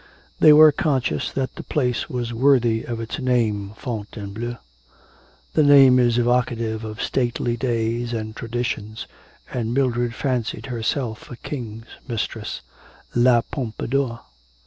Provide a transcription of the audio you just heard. They were conscious that the place was worthy of its name, Fontainebleau. The name is evocative of stately days and traditions, and Mildred fancied herself a king's mistress La Pompadour.